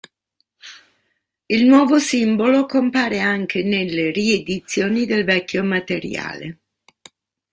Il nuovo simbolo compare anche nelle riedizioni del vecchio materiale.